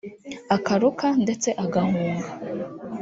akaruka ndetse agahunga